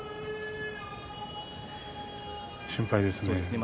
心配ですね。